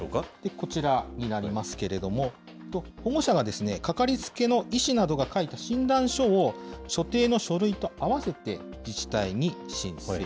こちらになりますけれども、保護者がかかりつけの医師などが書いた診断書を、所定の書類と合わせて自治体に申請。